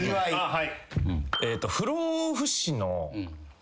はい。